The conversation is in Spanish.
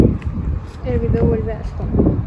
El vídeo vuelve a Stone.